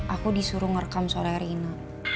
aku disuruh ngerekam suara reina